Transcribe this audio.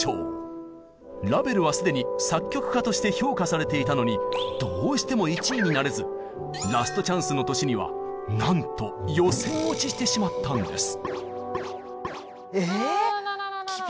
ラヴェルは既に作曲家として評価されていたのにどうしても１位になれずラストチャンスの年にはなんとあらららら。え！